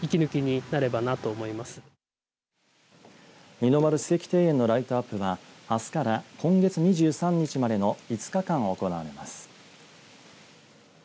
二之丸史跡庭園のライトアップはあすから今月２３日までの５日間行われます。